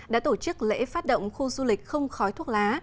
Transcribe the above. đã tổ chức lễ phát động khu du lịch không khói thuốc lá